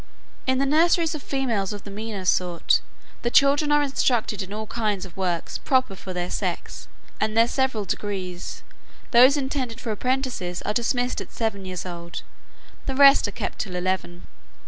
In the nurseries of females of the meaner sort, the children are instructed in all kinds of works proper for their sex, and their several degrees: those intended for apprentices are dismissed at seven years old, the rest are kept to eleven.